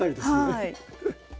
はい。